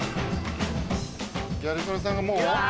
ギャル曽根さんがもう。